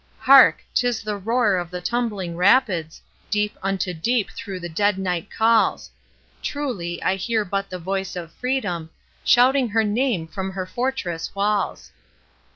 Hark! 'tis the roar of the tumbling rapids; Deep unto deep through the dead night calls; Truly, I hear but the voice of Freedom Shouting her name from her fortress walls!